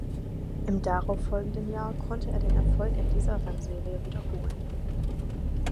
Im darauf folgenden Jahr konnte er den Erfolg in dieser Rennserie wiederholen.